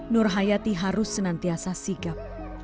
nurhayati harus senantiasa sigap